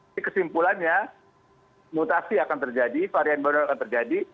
jadi kesimpulannya mutasi akan terjadi varian baru akan terjadi